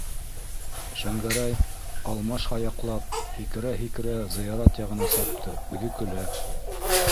- Шәңгәрәй, алмаш аяҡлап һикерә- һикерә зыярат яғына сапты, үҙе көлә.